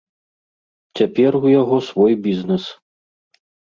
Цяпер у яго свой бізнэс.